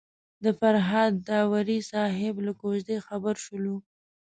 د فرهاد داوري صاحب له کوژدې خبر شولو.